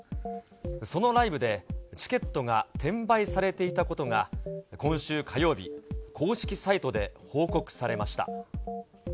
そのライブで、チケットが転売されていたことが、今週火曜日、公式サイトで報告されました。